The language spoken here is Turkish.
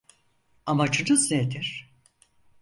Amacınız nedir?